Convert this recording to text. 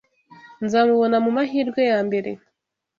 Nzamubona mumahirwe yambere.